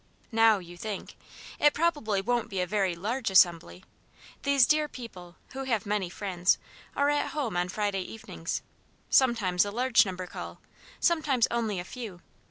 Now, you think! It probably won't be a very large assembly. These dear people, who have many friends, are at home on Friday evenings. Sometimes a large number call, sometimes only a few.